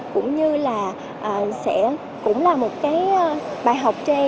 cũng như là sẽ cũng là một cái bài học tre